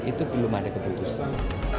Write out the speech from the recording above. itu belum ada keputusan